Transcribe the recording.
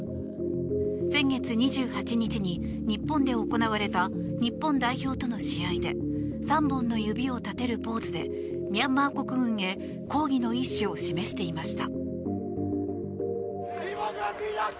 先月２８日に日本で行われた日本代表との試合で３本の指を立てるポーズでミャンマー国軍へ抗議の意思を示していました。